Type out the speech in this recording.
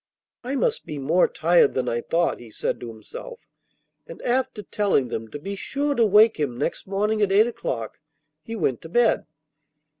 'I must be more tired than I thought,' he said to himself, and, after telling them to be sure to wake him next morning at eight o'clock, he went to bed.